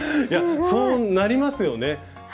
いやそうなりますよね。